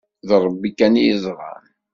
D Rebbi kan i yeẓran.